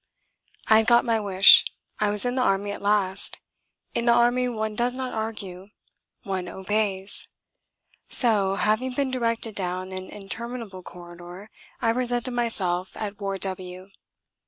I had got my wish. I was in the army at last. In the army one does not argue. One obeys. So, having been directed down an interminable corridor, I presented myself at Ward W.